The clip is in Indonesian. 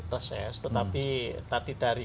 reses tetapi tadi dari